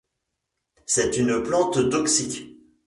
C'est une plante toxique.